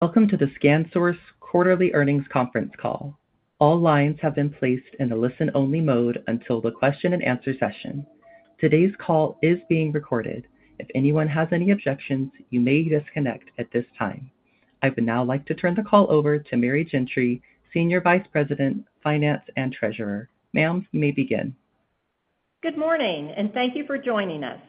Welcome to the ScanSource Quarterly Earnings Conference Call. All lines have been placed in the listen-only mode until the question-and-answer session. Today's call is being recorded. If anyone has any objections, you may disconnect at this time. I would now like to turn the call over to Mary Gentry, Senior Vice President, Finance and Treasurer. Ma'am, you may begin. Good morning, and thank you for joining us.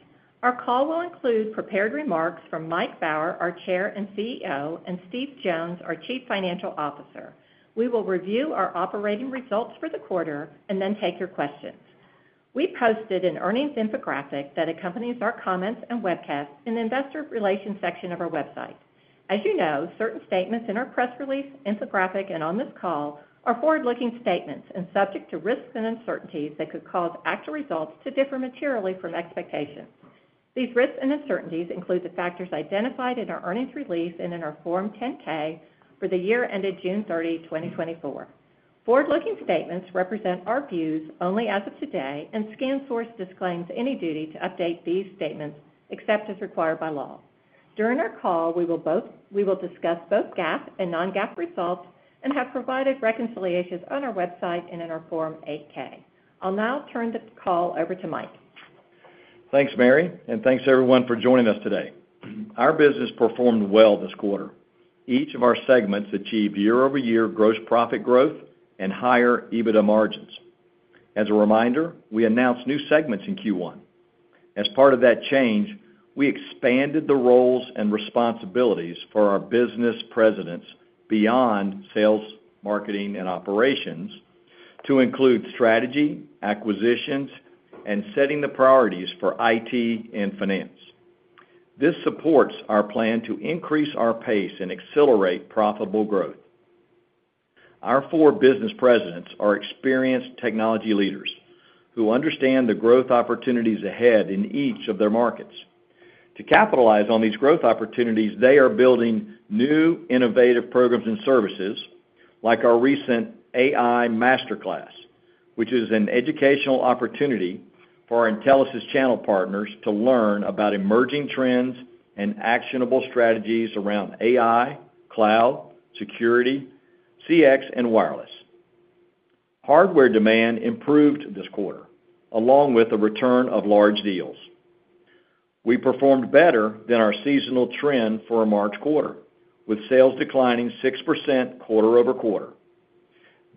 Our call will include prepared remarks from Mike Baur, our Chair and CEO, and Steve Jones, our Chief Financial Officer. We will review our operating results for the quarter and then take your questions. We posted an earnings infographic that accompanies our comments and webcast in the investor relations section of our website. As you know, certain statements in our press release, infographic, and on this call are forward-looking statements and subject to risks and uncertainties that could cause actual results to differ materially from expectations. These risks and uncertainties include the factors identified in our earnings release and in our Form 10-K for the year ended June 30, 2024. Forward-looking statements represent our views only as of today, and ScanSource disclaims any duty to update these statements except as required by law. During our call, we will discuss both GAAP and non-GAAP results and have provided reconciliations on our website and in our Form 8-K. I'll now turn the call over to Mike. Thanks, Mary, and thanks everyone for joining us today. Our business performed well this quarter. Each of our segments achieved Year-on-Year gross profit growth and higher EBITDA margins. As a reminder, we announced new segments in Q1. As part of that change, we expanded the roles and responsibilities for our business presidents beyond sales, marketing, and operations to include strategy, acquisitions, and setting the priorities for IT and finance. This supports our plan to increase our pace and accelerate profitable growth. Our four business presidents are experienced technology leaders who understand the growth opportunities ahead in each of their markets. To capitalize on these growth opportunities, they are building new innovative programs and services like our recent AI Masterclass, which is an educational opportunity for our Intellisys channel partners to learn about emerging trends and actionable strategies around AI, cloud, security, CX, and wireless. Hardware demand improved this quarter, along with the return of large deals. We performed better than our seasonal trend for a March quarter, with sales declining 6% quarter over quarter.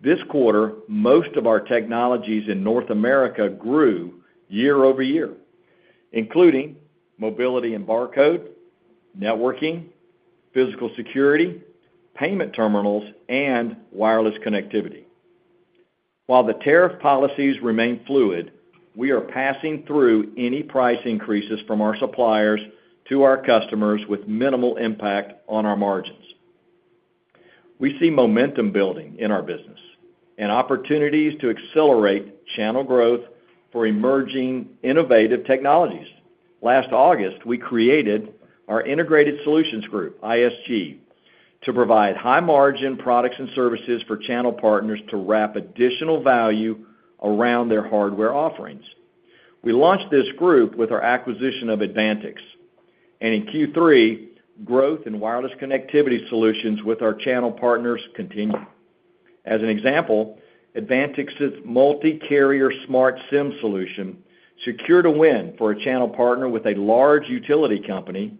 This quarter, most of our technologies in North America grew Year-on-Year, including mobility and barcode, networking, physical security, payment terminals, and wireless connectivity. While the tariff policies remain fluid, we are passing through any price increases from our suppliers to our customers with minimal impact on our margins. We see momentum building in our business and opportunities to accelerate channel growth for emerging innovative technologies. Last August, we created our Integrated Solutions Group, ISG, to provide high-margin products and services for channel partners to wrap additional value around their hardware offerings. We launched this group with our acquisition of Advantech, and in Q3, growth in wireless connectivity solutions with our channel partners continued. As an example, Advantix's multi-carrier smart SIM solution secured a win for a channel partner with a large utility company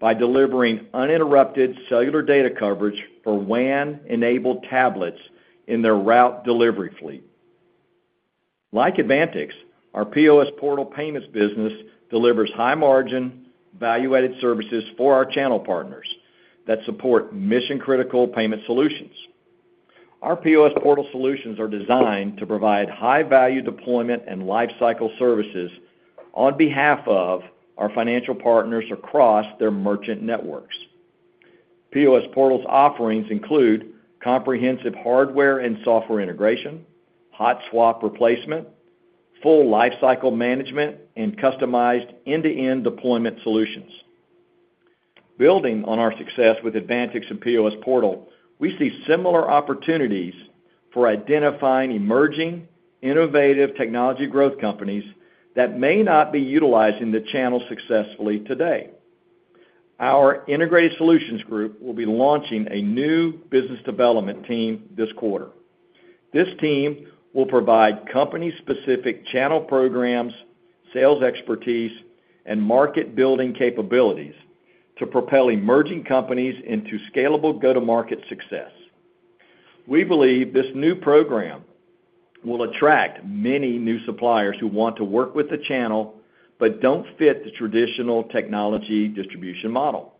by delivering uninterrupted cellular data coverage for WAN-enabled tablets in their route delivery fleet. Like Advantix, our POS Portal payments business delivers high-margin, value-added services for our channel partners that support mission-critical payment solutions. Our POS Portal solutions are designed to provide high-value deployment and lifecycle services on behalf of our financial partners across their merchant networks. POS Portal's offerings include comprehensive hardware and software integration, hot swap replacement, full lifecycle management, and customized end-to-end deployment solutions. Building on our success with Advantix and POS Portal, we see similar opportunities for identifying emerging innovative technology growth companies that may not be utilizing the channel successfully today. Our Integrated Solutions Group will be launching a new business development team this quarter. This team will provide company-specific channel programs, sales expertise, and market-building capabilities to propel emerging companies into scalable go-to-market success. We believe this new program will attract many new suppliers who want to work with the channel but do not fit the traditional technology distribution model.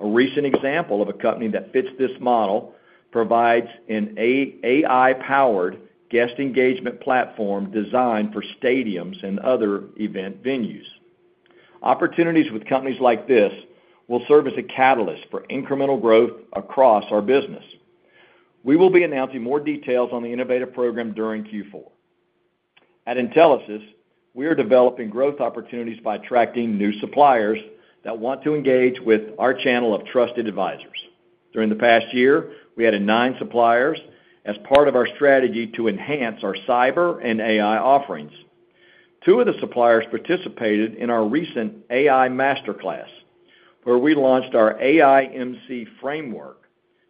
A recent example of a company that fits this model provides an AI-powered guest engagement platform designed for stadiums and other event venues. Opportunities with companies like this will serve as a catalyst for incremental growth across our business. We will be announcing more details on the innovative program during Q4. At Intellisys, we are developing growth opportunities by attracting new suppliers that want to engage with our channel of trusted advisors. During the past year, we had nine suppliers as part of our strategy to enhance our cyber and AI offerings. Two of the suppliers participated in our recent AI Masterclass, where we launched our AIMC framework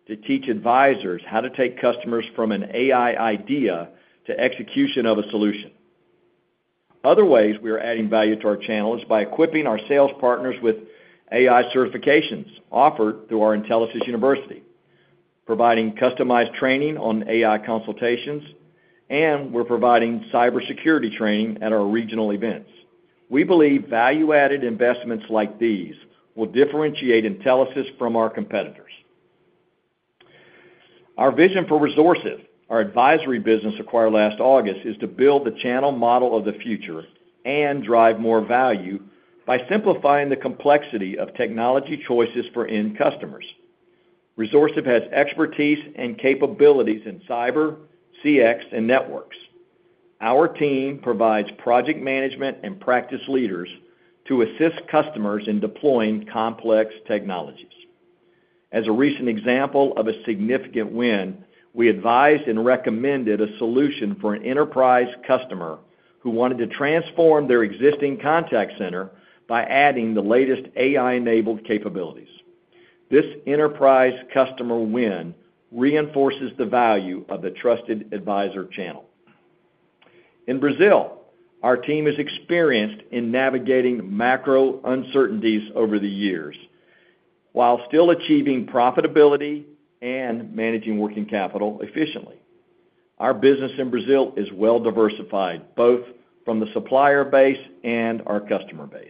to teach advisors how to take customers from an AI idea to execution of a solution. Other ways we are adding value to our channel is by equipping our sales partners with AI certifications offered through our Intellisys University, providing customized training on AI consultations, and we're providing cybersecurity training at our regional events. We believe value-added investments like these will differentiate Intellisys from our competitors. Our vision for Resourcive, our advisory business acquired last August, is to build the channel model of the future and drive more value by simplifying the complexity of technology choices for end customers. Resourcive has expertise and capabilities in cyber, CX, and networks. Our team provides project management and practice leaders to assist customers in deploying complex technologies. As a recent example of a significant win, we advised and recommended a solution for an enterprise customer who wanted to transform their existing contact center by adding the latest AI-enabled capabilities. This enterprise customer win reinforces the value of the trusted advisor channel. In Brazil, our team is experienced in navigating macro uncertainties over the years while still achieving profitability and managing working capital efficiently. Our business in Brazil is well-diversified, both from the supplier base and our customer base.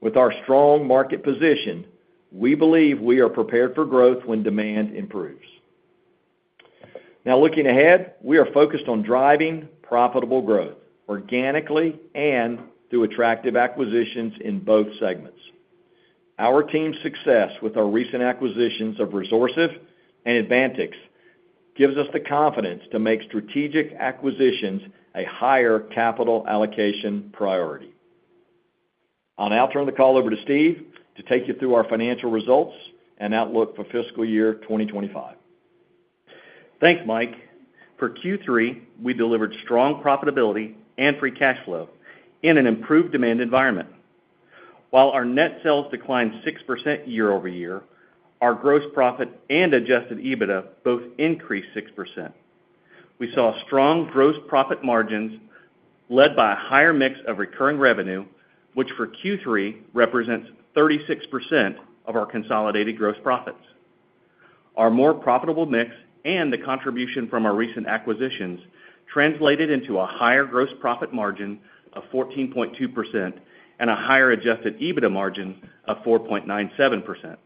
With our strong market position, we believe we are prepared for growth when demand improves. Now, looking ahead, we are focused on driving profitable growth organically and through attractive acquisitions in both segments. Our team's success with our recent acquisitions of Resourcive and Advantech gives us the confidence to make strategic acquisitions a higher capital allocation priority. I'll now turn the call over to Steve to take you through our financial results and outlook for fiscal year 2025. Thanks, Mike. For Q3, we delivered strong profitability and free cash flow in an improved demand environment. While our net sales declined 6% Year-on-Year, our gross profit and Adjusted EBITDA both increased 6%. We saw strong gross profit margins led by a higher mix of recurring revenue, which for Q3 represents 36% of our consolidated gross profits. Our more profitable mix and the contribution from our recent acquisitions translated into a higher gross profit margin of 14.2% and a higher Adjusted EBITDA margin of 4.97%.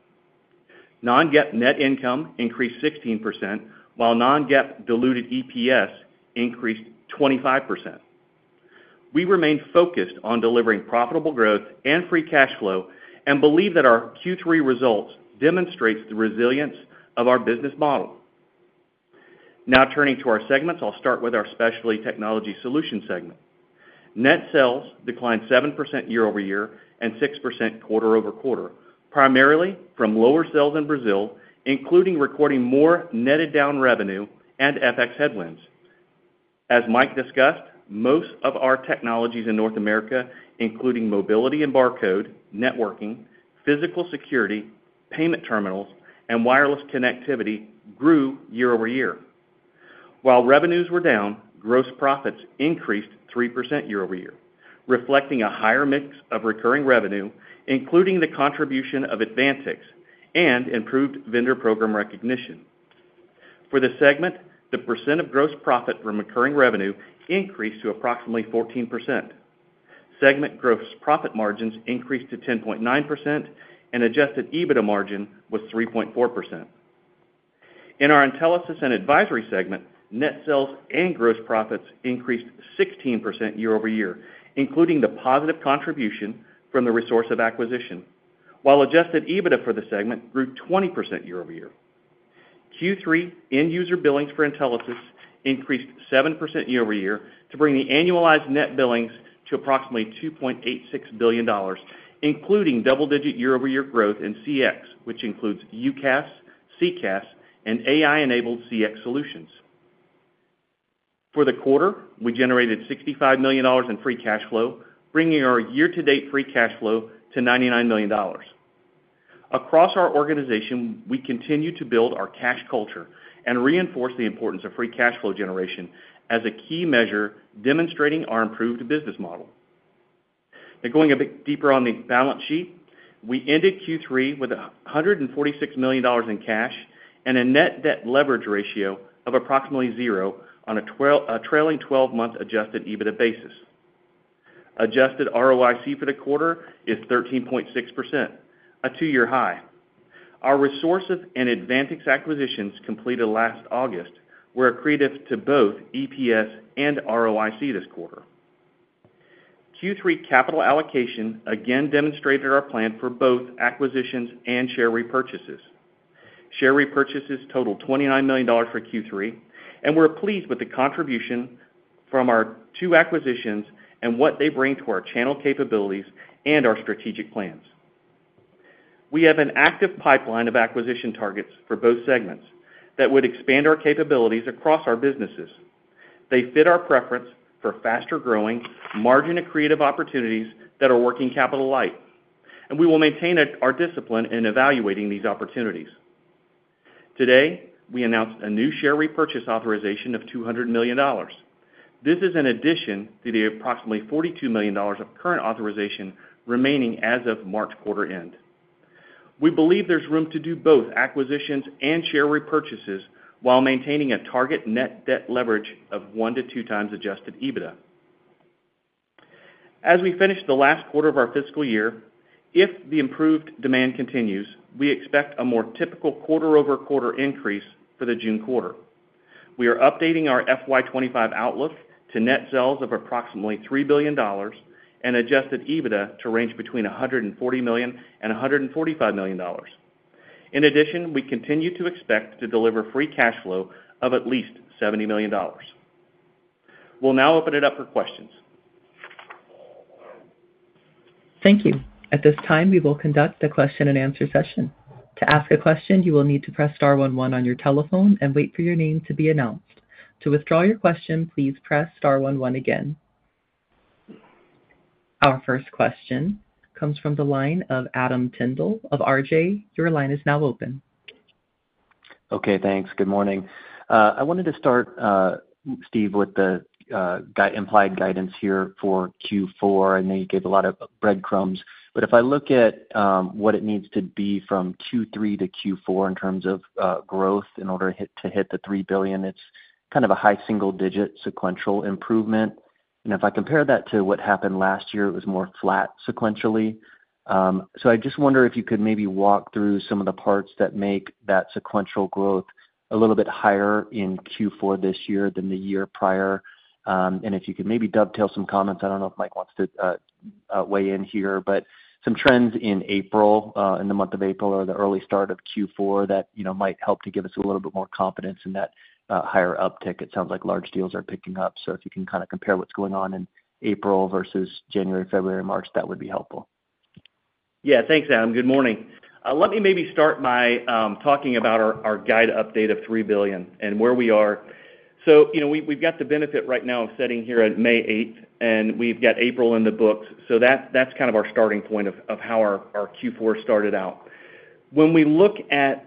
Non-GAAP net income increased 16%, while non-GAAP diluted EPS increased 25%. We remain focused on delivering profitable growth and free cash flow and believe that our Q3 results demonstrate the resilience of our business model. Now, turning to our segments, I'll start with our specialty technology solution segment. Net sales declined 7% Year-on-Year and 6% quarter over quarter, primarily from lower sales in Brazil, including recording more netted down revenue and FX headwinds. As Mike discussed, most of our technologies in North America, including mobility and barcode, networking, physical security, payment terminals, and wireless connectivity, grew Year-on-Year. While revenues were down, gross profits increased 3% Year-on-Year, reflecting a higher mix of recurring revenue, including the contribution of Advantix and improved vendor program recognition. For the segment, the percent of gross profit from recurring revenue increased to approximately 14%. Segment gross profit margins increased to 10.9%, and Adjusted EBITDA margin was 3.4%. In our Intelisys and advisory segment, net sales and gross profits increased 16% Year-on-Year, including the positive contribution from the Resourcive acquisition, while Adjusted EBITDA for the segment grew 20% Year-on-Year. Q3 end-user billings for Intellisys increased 7% Year-on-Year to bring the annualized net billings to approximately $2.86 billion, including double-digit Year-on-Year growth in CX, which includes UCaaS, CCaaS, and AI-enabled CX solutions. For the quarter, we generated $65 million in free cash flow, bringing our year-to-date free cash flow to $99 million. Across our organization, we continue to build our cash culture and reinforce the importance of free cash flow generation as a key measure demonstrating our improved business model. Going a bit deeper on the balance sheet, we ended Q3 with $146 million in cash and a net debt leverage ratio of approximately zero on a trailing 12-month Adjusted EBITDA basis. Adjusted ROIC for the quarter is 13.6%, a two-year high. Our Resourcive and Advantix acquisitions completed last August were accretive to both EPS and ROIC this quarter. Q3 capital allocation again demonstrated our plan for both acquisitions and share repurchases. Share repurchases totaled $29 million for Q3, and we're pleased with the contribution from our two acquisitions and what they bring to our channel capabilities and our strategic plans. We have an active pipeline of acquisition targets for both segments that would expand our capabilities across our businesses. They fit our preference for faster growing, margin-accretive opportunities that are working capital light, and we will maintain our discipline in evaluating these opportunities. Today, we announced a new share repurchase authorization of $200 million. This is in addition to the approximately $42 million of current authorization remaining as of March quarter end. We believe there's room to do both acquisitions and share repurchases while maintaining a target net debt leverage of one to two times Adjusted EBITDA. As we finish the last quarter of our fiscal year, if the improved demand continues, we expect a more typical quarter-over-quarter increase for the June quarter. We are updating our FY 25 outlook to net sales of approximately $3 billion and Adjusted EBITDA to range between $140 million-$145 million. In addition, we continue to expect to deliver free cash flow of at least $70 million. We'll now open it up for questions. Thank you. At this time, we will conduct the question-and-answer session. To ask a question, you will need to press star 11 on your telephone and wait for your name to be announced. To withdraw your question, please press star 11 again. Our first question comes from the line of Adam Tyndall of RJ. Your line is now open. Okay, thanks. Good morning. I wanted to start, Steve, with the implied guidance here for Q4. I know you gave a lot of breadcrumbs, but if I look at what it needs to be from Q3 to Q4 in terms of growth in order to hit the $3 billion, it's kind of a high single-digit sequential improvement. If I compare that to what happened last year, it was more flat sequentially. I just wonder if you could maybe walk through some of the parts that make that sequential growth a little bit higher in Q4 this year than the year prior. If you could maybe dovetail some comments, I do not know if Mike wants to weigh in here, but some trends in April, in the month of April or the early start of Q4 that might help to give us a little bit more confidence in that higher uptick. It sounds like large deals are picking up. If you can kind of compare what is going on in April versus January, February, March, that would be helpful. Yeah, thanks, Adam. Good morning. Let me maybe start by talking about our guide update of $3 billion and where we are. We've got the benefit right now of sitting here at May 8th, and we've got April in the books. That's kind of our starting point of how our Q4 started out. When we look at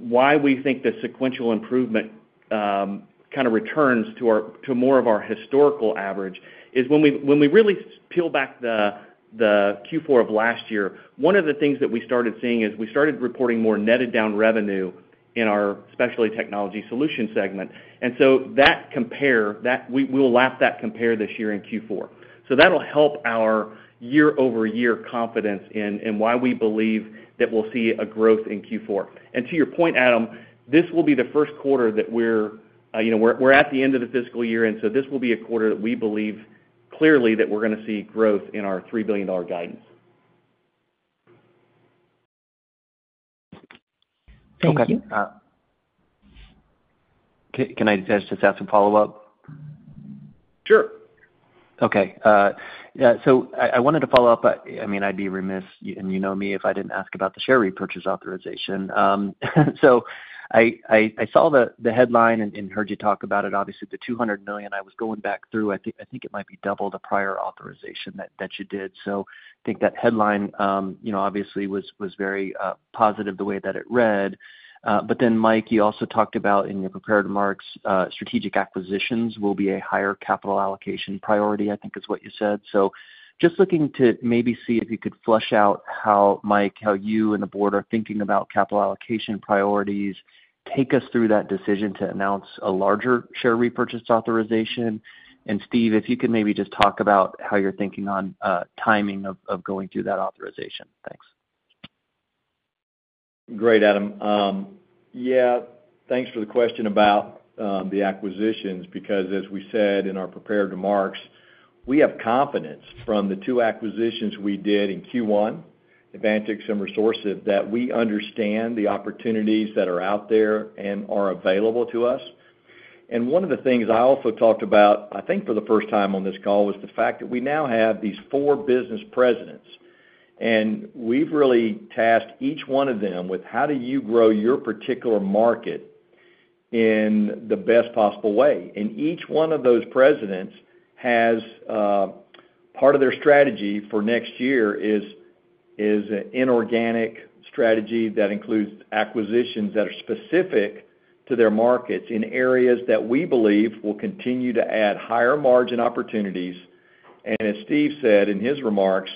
why we think the sequential improvement kind of returns to more of our historical average is when we really peel back the Q4 of last year, one of the things that we started seeing is we started reporting more netted down revenue in our specialty technology solution segment. That compare, we will lap that compare this year in Q4. That'll help our Year-on-Year confidence in why we believe that we'll see a growth in Q4. To your point, Adam, this will be the first quarter that we're at the end of the fiscal year. This will be a quarter that we believe clearly that we're going to see growth in our $3 billion guidance. Thank you. Can I just ask a follow-up? Sure. Okay. I wanted to follow up. I mean, I'd be remiss, and you know me, if I didn't ask about the share repurchase authorization. I saw the headline and heard you talk about it. Obviously, the $200 million, I was going back through. I think it might be double the prior authorization that you did. I think that headline obviously was very positive the way that it read. Mike, you also talked about in your prepared remarks, strategic acquisitions will be a higher capital allocation priority, I think is what you said. Just looking to maybe see if you could flush out how, Mike, how you and the board are thinking about capital allocation priorities, take us through that decision to announce a larger share repurchase authorization. Steve, if you could maybe just talk about how you're thinking on timing of going through that authorization. Thanks. Great, Adam. Yeah, thanks for the question about the acquisitions because, as we said in our prepared remarks, we have confidence from the two acquisitions we did in Q1, Advantix and Resourcive, that we understand the opportunities that are out there and are available to us. One of the things I also talked about, I think for the first time on this call, was the fact that we now have these four business presidents. We've really tasked each one of them with, "How do you grow your particular market in the best possible way?" Each one of those presidents has part of their strategy for next year as an inorganic strategy that includes acquisitions that are specific to their markets in areas that we believe will continue to add higher margin opportunities. As Steve said in his remarks,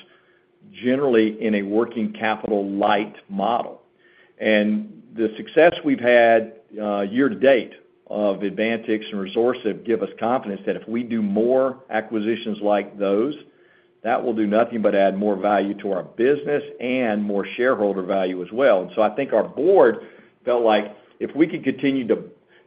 generally in a working capital light model. The success we've had year to date of Advantix and Resourcive gives us confidence that if we do more acquisitions like those, that will do nothing but add more value to our business and more shareholder value as well. I think our board felt like if we could continue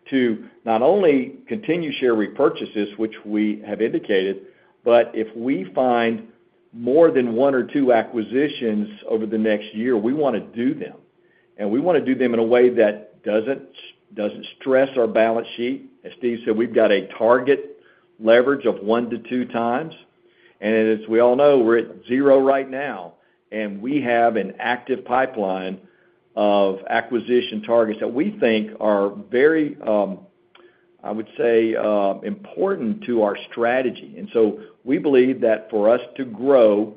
to not only continue share repurchases, which we have indicated, but if we find more than one or two acquisitions over the next year, we want to do them. We want to do them in a way that does not stress our balance sheet. As Steve said, we've got a target leverage of one to two times. As we all know, we are at zero right now. We have an active pipeline of acquisition targets that we think are very, I would say, important to our strategy. We believe that for us to grow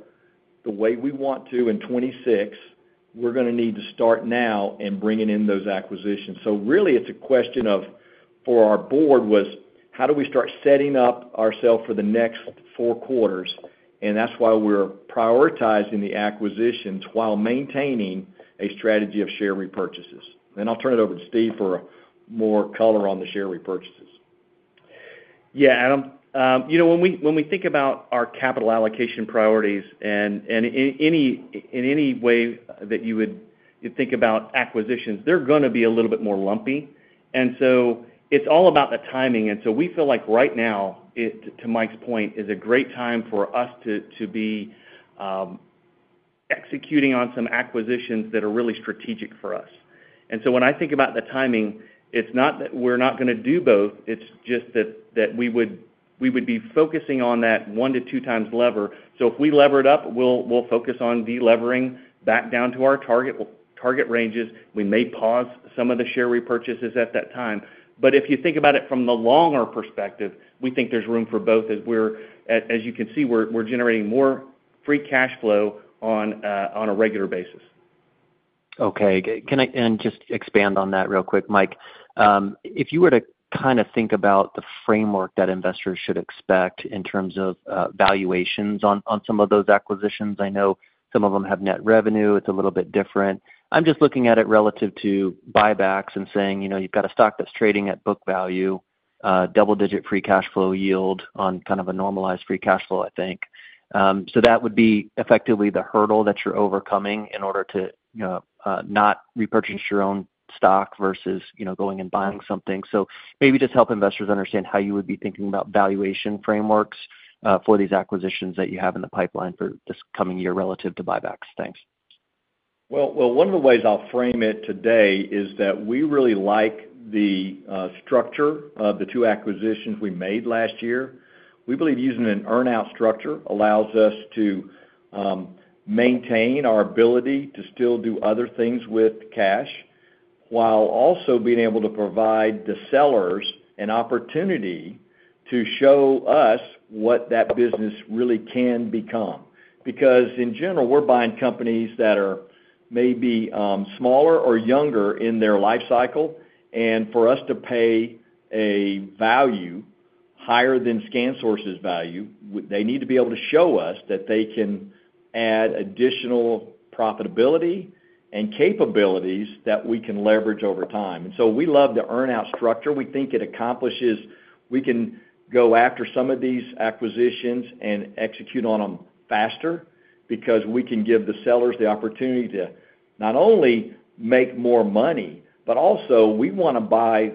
the way we want to in 2026, we're going to need to start now in bringing in those acquisitions. Really, it's a question for our board: "How do we start setting up ourselves for the next four quarters?" That is why we're prioritizing the acquisitions while maintaining a strategy of share repurchases. I'll turn it over to Steve for more color on the share repurchases. Yeah, Adam. When we think about our capital allocation priorities and in any way that you would think about acquisitions, they're going to be a little bit more lumpy. It is all about the timing. We feel like right now, to Mike's point, is a great time for us to be executing on some acquisitions that are really strategic for us. When I think about the timing, it's not that we're not going to do both. It's just that we would be focusing on that one to two times lever. If we lever it up, we'll focus on delevering back down to our target ranges. We may pause some of the share repurchases at that time. If you think about it from the longer perspective, we think there's room for both. As you can see, we're generating more free cash flow on a regular basis. Okay. Just expand on that real quick, Mike. If you were to kind of think about the framework that investors should expect in terms of valuations on some of those acquisitions, I know some of them have net revenue. It's a little bit different. I'm just looking at it relative to buybacks and saying you've got a stock that's trading at book value, double-digit free cash flow yield on kind of a normalized free cash flow, I think. That would be effectively the hurdle that you're overcoming in order to not repurchase your own stock versus going and buying something. Maybe just help investors understand how you would be thinking about valuation frameworks for these acquisitions that you have in the pipeline for this coming year relative to buybacks. Thanks. One of the ways I'll frame it today is that we really like the structure of the two acquisitions we made last year. We believe using an earn-out structure allows us to maintain our ability to still do other things with cash while also being able to provide the sellers an opportunity to show us what that business really can become. Because in general, we're buying companies that are maybe smaller or younger in their life cycle. For us to pay a value higher than ScanSource's value, they need to be able to show us that they can add additional profitability and capabilities that we can leverage over time. We love the earn-out structure. We think it accomplishes we can go after some of these acquisitions and execute on them faster because we can give the sellers the opportunity to not only make more money, but also we want to buy,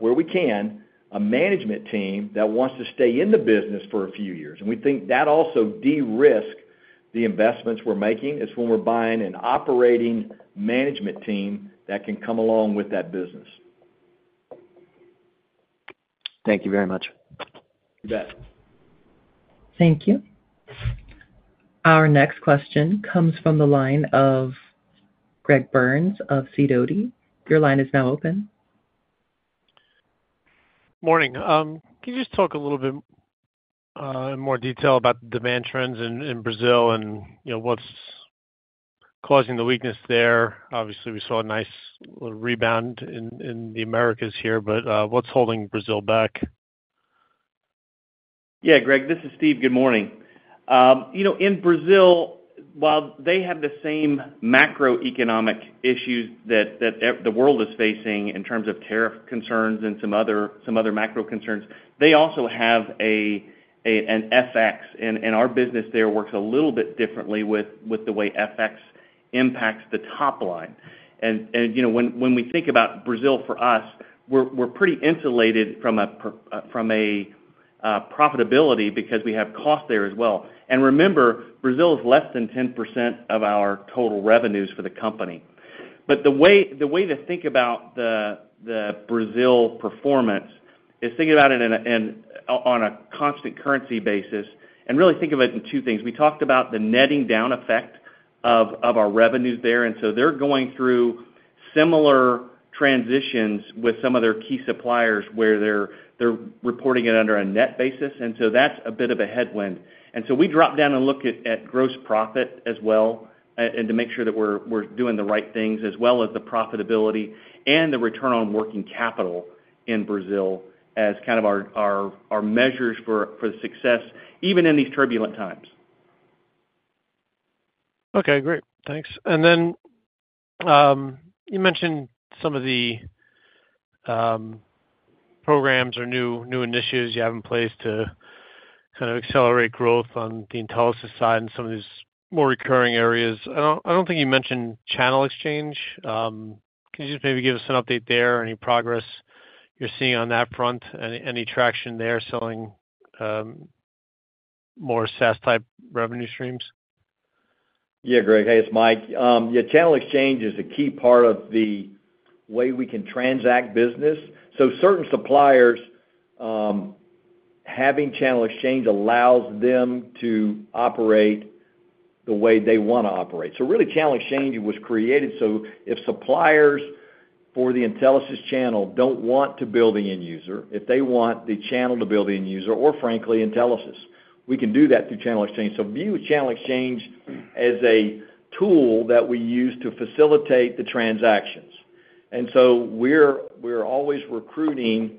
where we can, a management team that wants to stay in the business for a few years. We think that also de-risk the investments we're making. It's when we're buying an operating management team that can come along with that business. Thank you very much. You bet. Thank you. Our next question comes from the line of Greg Burns of Sidoti & Co. Your line is now open. Morning. Can you just talk a little bit in more detail about the demand trends in Brazil and what's causing the weakness there? Obviously, we saw a nice little rebound in the Americas here, but what's holding Brazil back? Yeah, Greg, this is Steve. Good morning. In Brazil, while they have the same macroeconomic issues that the world is facing in terms of tariff concerns and some other macro concerns, they also have an FX. Our business there works a little bit differently with the way FX impacts the top line. When we think about Brazil for us, we're pretty insulated from profitability because we have costs there as well. Remember, Brazil is less than 10% of our total revenues for the company. The way to think about the Brazil performance is thinking about it on a constant currency basis and really think of it in two things. We talked about the netting down effect of our revenues there. They're going through similar transitions with some of their key suppliers where they're reporting it under a net basis. That's a bit of a headwind. We drop down and look at gross profit as well to make sure that we're doing the right things as well as the profitability and the return on working capital in Brazil as kind of our measures for the success, even in these turbulent times. Okay, great. Thanks. You mentioned some of the programs or new initiatives you have in place to kind of accelerate growth on the intelligence side and some of these more recurring areas. I do not think you mentioned Channel Exchange. Can you just maybe give us an update there or any progress you are seeing on that front? Any traction there selling more SaaS-type revenue streams? Yeah, Greg, hey, it's Mike. Yeah, Channel Exchange is a key part of the way we can transact business. Certain suppliers having Channel Exchange allows them to operate the way they want to operate. Really, Channel Exchange was created so if suppliers for the Intelisys channel don't want to bill the end user, if they want the channel to bill the end user or, frankly, Intelisys, we can do that through Channel Exchange. View Channel Exchange as a tool that we use to facilitate the transactions. We're always recruiting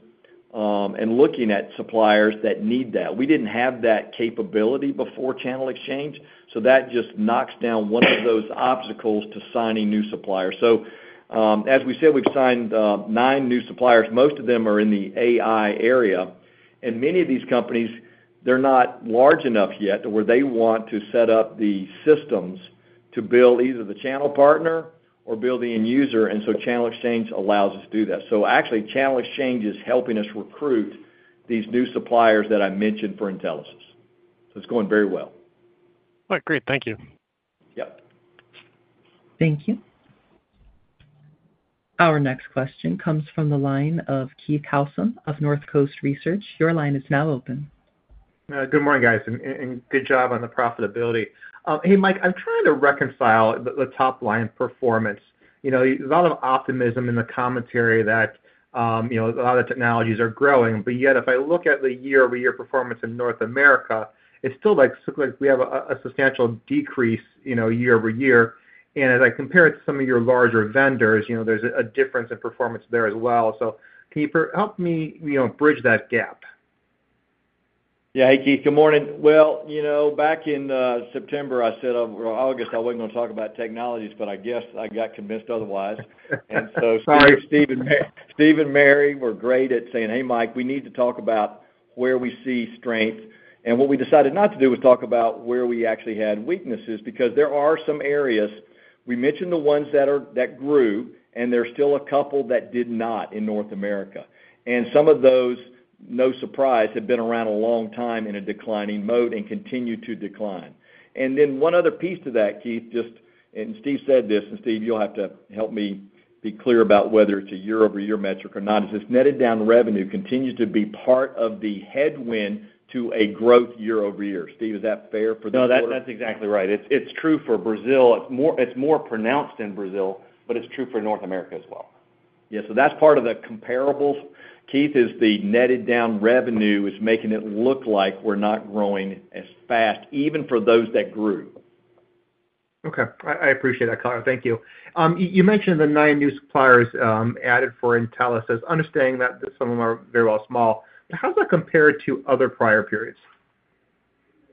and looking at suppliers that need that. We didn't have that capability before Channel Exchange. That just knocks down one of those obstacles to signing new suppliers. As we said, we've signed nine new suppliers. Most of them are in the AI area. Many of these companies, they're not large enough yet to where they want to set up the systems to build either the channel partner or build the end user. Channel Exchange allows us to do that. Actually, Channel Exchange is helping us recruit these new suppliers that I mentioned for Intellisys. It's going very well. All right, great. Thank you. Yep. Thank you. Our next question comes from the line of Keith Bachman of BMO Capital Markets. Your line is now open. Good morning, guys. And good job on the profitability. Hey, Mike, I'm trying to reconcile the top line performance. There's a lot of optimism in the commentary that a lot of technologies are growing. Yet, if I look at the Year-on-Year performance in North America, it still looks like we have a substantial decrease Year-on-Year. As I compare it to some of your larger vendors, there's a difference in performance there as well. Can you help me bridge that gap? Yeah, hey, Keith, good morning. Back in September, I said August, I was not going to talk about technologies, but I guess I got convinced otherwise. Steven and Mary were great at saying, "Hey, Mike, we need to talk about where we see strength." What we decided not to do was talk about where we actually had weaknesses because there are some areas. We mentioned the ones that grew, and there are still a couple that did not in North America. Some of those, no surprise, have been around a long time in a declining mode and continue to decline. One other piece to that, Keith, just, and Steve said this, and Steve, you will have to help me be clear about whether it is a Year-on-Year metric or not, is this netted down revenue continues to be part of the headwind to a growth Year-on-Year. Steve, is that fair for the quote? No, that's exactly right. It's true for Brazil. It's more pronounced in Brazil, but it's true for North America as well. Yeah, so that's part of the Comparables. Keith, is the netted down revenue is making it look like we're not growing as fast, even for those that grew. Okay. I appreciate that, Clark. Thank you. You mentioned the nine new suppliers added for Intellisys, understanding that some of them are very well small. How does that compare to other prior periods?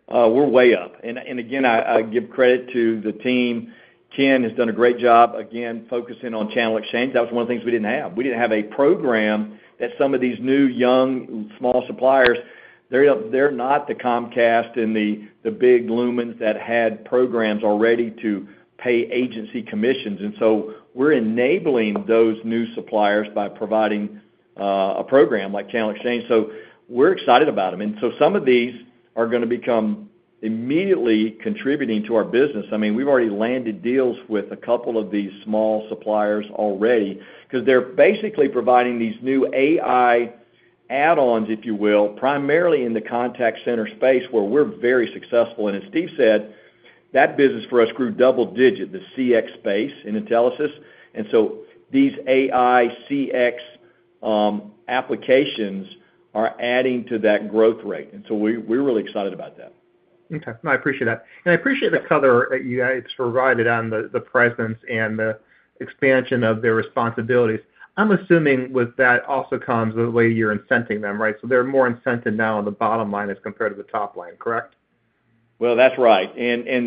We're way up. Again, I give credit to the team. Ken has done a great job, again, focusing on Channel Exchange. That was one of the things we did not have. We did not have a program that some of these new, young, small suppliers, they're not the Comcast and the big Lumens that had programs already to pay agency commissions. We are enabling those new suppliers by providing a program like Channel Exchange. We are excited about them. Some of these are going to become immediately contributing to our business. I mean, we've already landed deals with a couple of these small suppliers already because they're basically providing these new AI add-ons, if you will, primarily in the contact center space where we're very successful. As Steve said, that business for us grew double-digit, the CX space in intelligence. These AI CX applications are adding to that growth rate. We are really excited about that. Okay. No, I appreciate that. I appreciate the color that you guys provided on the presence and the expansion of their responsibilities. I'm assuming with that also comes the way you're incenting them, right? They're more incented now on the bottom line as compared to the top line, correct? That's right.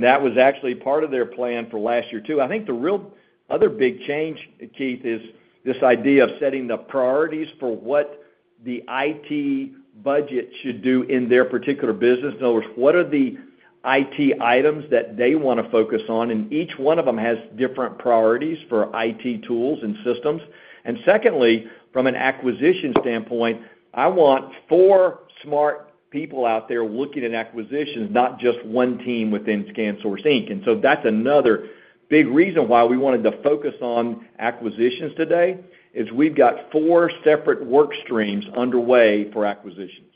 That was actually part of their plan for last year too. I think the real other big change, Keith, is this idea of setting the priorities for what the IT budget should do in their particular business. In other words, what are the IT items that they want to focus on? Each one of them has different priorities for IT tools and systems. Secondly, from an acquisition standpoint, I want four smart people out there looking at acquisitions, not just one team within ScanSource. That's another big reason why we wanted to focus on acquisitions today is we've got four separate work streams underway for acquisitions.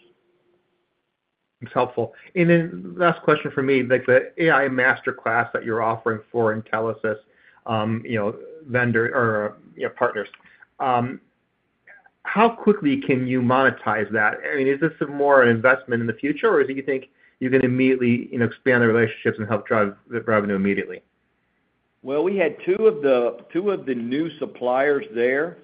That's helpful. Last question for me, the AI Masterclass that you're offering for Intellisys vendor or partners, how quickly can you monetize that? I mean, is this more an investment in the future, or do you think you can immediately expand the relationships and help drive revenue immediately? We had two of the new suppliers there,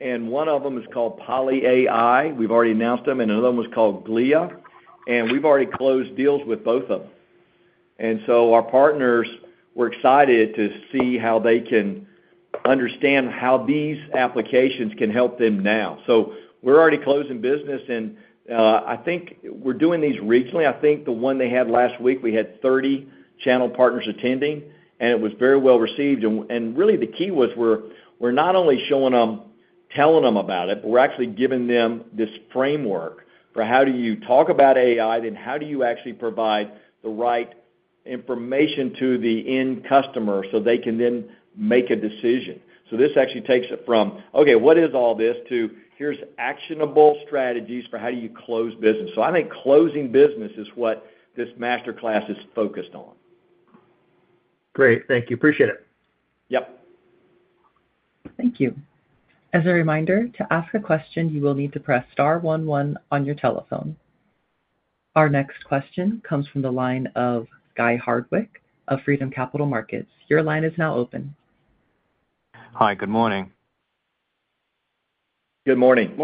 and one of them is called PolyAI. We've already announced them. Another one was called Glia. We've already closed deals with both of them. Our partners were excited to see how they can understand how these applications can help them now. We're already closing business. I think we're doing these regionally. I think the one they had last week, we had 30 channel partners attending, and it was very well received. Really, the key was we're not only showing them, telling them about it, but we're actually giving them this framework for how do you talk about AI, then how do you actually provide the right information to the end customer so they can then make a decision. This actually takes it from, "Okay, what is all this?" to, "Here's actionable strategies for how do you close business." I think closing business is what this masterclass is focused on. Great. Thank you. Appreciate it. Yep. Thank you. As a reminder, to ask a question, you will need to press star 11 on your telephone. Our next question comes from the line of Guy Hardwick of Freedom Capital Markets. Your line is now open. Hi, good morning. Good morning.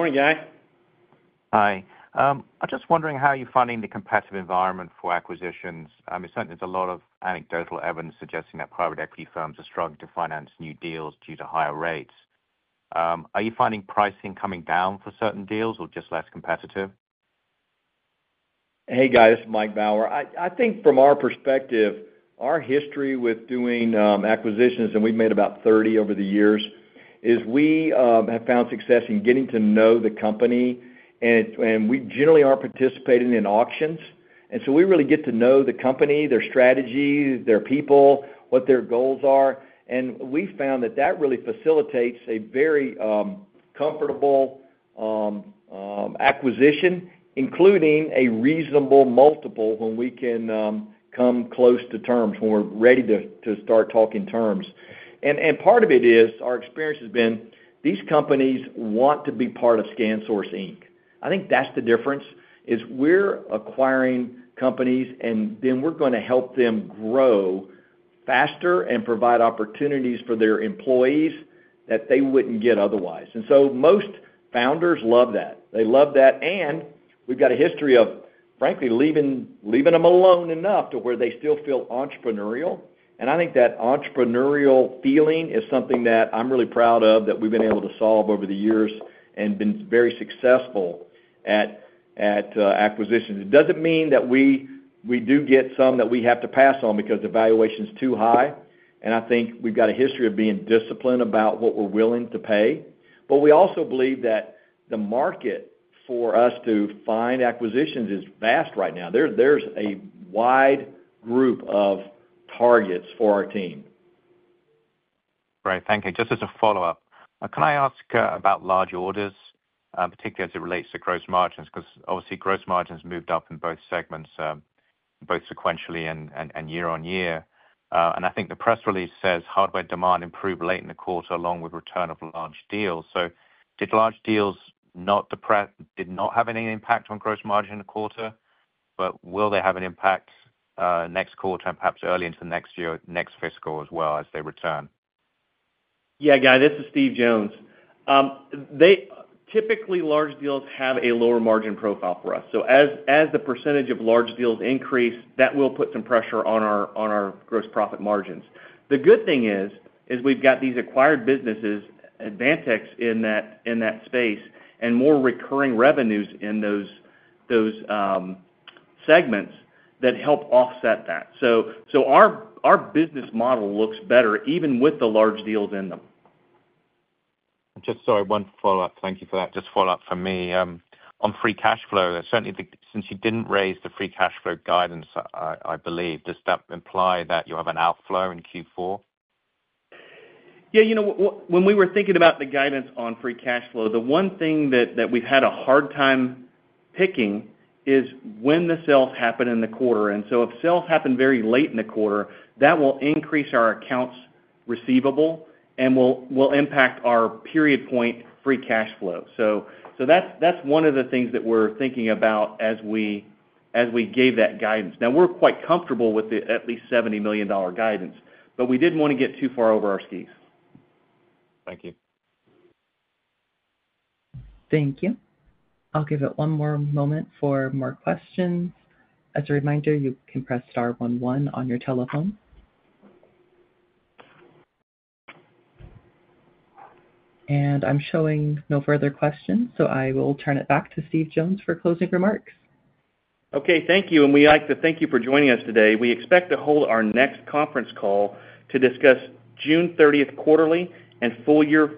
Hi. I'm just wondering how you're finding the competitive environment for acquisitions. I mean, certainly, there's a lot of anecdotal evidence suggesting that private equity firms are struggling to finance new deals due to higher rates. Are you finding pricing coming down for certain deals or just less competitive? Hey, guys, this is Mike Baur. I think from our perspective, our history with doing acquisitions, and we've made about 30 over the years, is we have found success in getting to know the company. We generally aren't participating in auctions. We really get to know the company, their strategy, their people, what their goals are. We found that that really facilitates a very comfortable acquisition, including a reasonable multiple when we can come close to terms, when we're ready to start talking terms. Part of it is our experience has been these companies want to be part of ScanSource. I think that's the difference, is we're acquiring companies, and then we're going to help them grow faster and provide opportunities for their employees that they wouldn't get otherwise. Most founders love that. They love that. We have a history of, frankly, leaving them alone enough to where they still feel entrepreneurial. I think that entrepreneurial feeling is something that I'm really proud of that we've been able to solve over the years and been very successful at acquisitions. It does not mean that we do get some that we have to pass on because the valuation is too high. I think we have a history of being disciplined about what we are willing to pay. We also believe that the market for us to find acquisitions is vast right now. There is a wide group of targets for our team. Great. Thank you. Just as a follow-up, can I ask about large orders, particularly as it relates to gross margins? Because obviously, gross margins moved up in both segments, both sequentially and Year-on-Year. I think the press release says hardware demand improved late in the quarter along with return of large deals. Did large deals not have any impact on gross margin in the quarter? Will they have an impact next quarter and perhaps early into the next year or next fiscal as well as they return? Yeah, Guy, this is Steve Jones. Typically, large deals have a lower margin profile for us. As the percentage of large deals increase, that will put some pressure on our gross profit margins. The good thing is we have got these acquired businesses, Advantech, in that space and more recurring revenues in those segments that help offset that. Our business model looks better even with the large deals in them. Just sorry, one follow-up. Thank you for that. Just follow-up for me. On free cash flow, certainly since you didn't raise the free cash flow guidance, I believe, does that imply that you have an outflow in Q4? Yeah. You know what? When we were thinking about the guidance on free cash flow, the one thing that we've had a hard time picking is when the sales happen in the quarter. If sales happen very late in the quarter, that will increase our accounts receivable and will impact our period point free cash flow. That's one of the things that we're thinking about as we gave that guidance. Now, we're quite comfortable with the at least $70 million guidance, but we didn't want to get too far over our skis. Thank you. Thank you. I'll give it one more moment for more questions. As a reminder, you can press star 11 on your telephone. I am showing no further questions, so I will turn it back to Steve Jones for closing remarks. Okay. Thank you. We would like to thank you for joining us today. We expect to hold our next conference call to discuss June 30 quarterly and full-year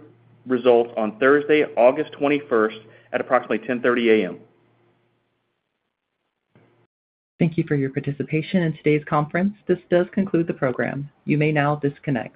results on Thursday, August 21 at approximately 10:30 A.M. Thank you for your participation in today's conference. This does conclude the program. You may now disconnect.